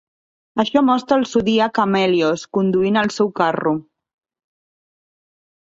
Això mostra el Zodíac amb Hèlios conduint el seu carro.